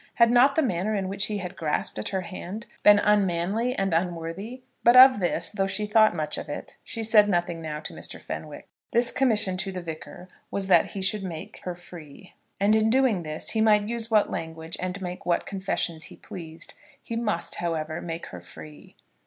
Had not the manner in which he had grasped at her hand been unmanly and unworthy? But of this, though she thought much of it, she said nothing now to Mr. Fenwick. This commission to the Vicar was that he should make her free; and in doing this he might use what language, and make what confessions he pleased. He must, however, make her free.